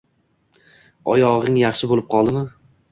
Oyog`ing yaxshi bo`lib qoldimi